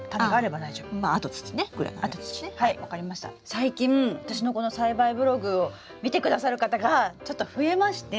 最近私のこの栽培ブログを見てくださる方がちょっと増えまして。